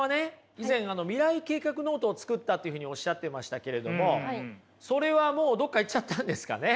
以前未来計画ノートをつくったっていうふうにおしゃっていましたけれどもそれはもうどっかいっちゃったんですかね？